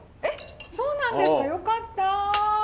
えっそうなんですかよかった。